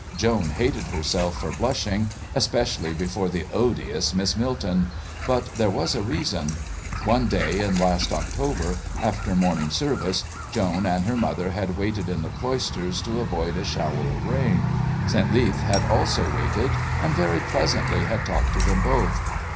Joan hated herself for blushing, especially before the odious Miss Milton, but there was a reason. One day in last October after morning service Joan and her mother had waited in the Cloisters to avoid a shower of rain. St. Leath had also waited and very pleasantly had talked to them both.